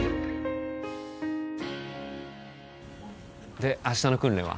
で明日の訓練は？